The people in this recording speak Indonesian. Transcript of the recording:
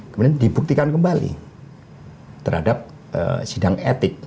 kemudian dibuktikan kembali terhadap sidang etik